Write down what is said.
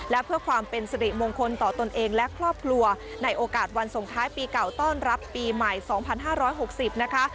และเพื่อความเป็นสิริมงคลต่อตนเองและครอบครัวในโอกาสวันส่งท้ายปีเก่าต้อนรับปีใหม่๒๕๖๐นะคะ